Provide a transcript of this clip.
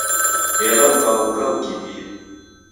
Ela ukaw'uka ukimbie